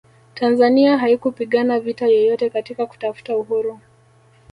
tanzania haikupigana vita yoyote katika kutafuta uhuru